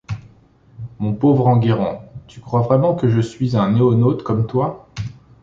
Mon pauvre Enguerrand : tu crois vraiment que je suis un NoéNaute, comme toi ?